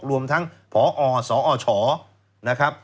รวมทั้งพอสอชนะครับ